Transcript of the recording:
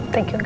thank you kak